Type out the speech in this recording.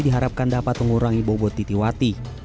diharapkan dapat mengurangi bobot titiwati